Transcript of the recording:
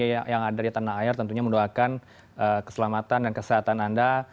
yang ada di tanah air tentunya mendoakan keselamatan dan kesehatan anda